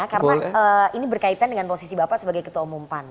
karena ini berkaitan dengan posisi bapak sebagai ketua umum pan